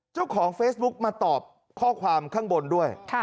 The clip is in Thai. เจ้าของเฟซบุ๊กมาตอบข้อความข้างบนด้วย